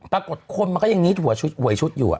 ปรากฏคนมันก็ยังนิดหวยชุดอยู่